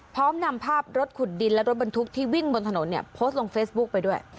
พร้อมนำภาพรถขุดดินและรถบรรทุกที่วิ่งบนถนนเนี่ยโพสต์ลงเฟซบุ๊คไปด้วย